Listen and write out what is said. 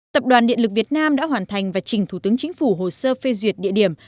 tập đoàn điện lực việt nam đã hoàn thành và trình thủ tướng chính phủ hồ sơ phê duyệt địa điểm